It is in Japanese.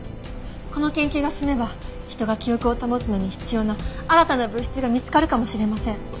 この研究が進めば人が記憶を保つのに必要な新たな物質が見つかるかもしれません。